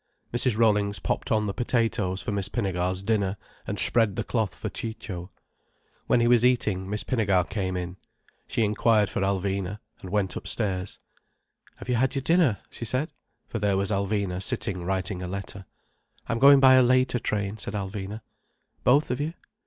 Mrs. Rollings popped on the potatoes for Miss Pinnegar's dinner, and spread the cloth for Ciccio. When he was eating, Miss Pinnegar came in. She inquired for Alvina—and went upstairs. "Have you had your dinner?" she said. For there was Alvina sitting writing a letter. "I'm going by a later train," said Alvina. "Both of you?"